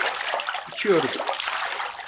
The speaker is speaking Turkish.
İçiyorum.